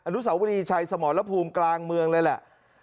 นุสาวรีชัยสมรภูมิกลางเมืองเลยแหละ